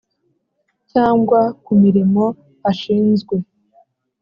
Cyangwa ku mirimo ashinzwe